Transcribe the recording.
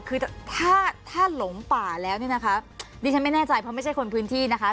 คือถ้าถ้าหลงป่าแล้วเนี่ยนะคะดิฉันไม่แน่ใจเพราะไม่ใช่คนพื้นที่นะคะ